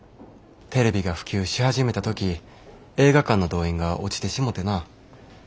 テレビが普及し始めた時映画館の動員が落ちてしもてな。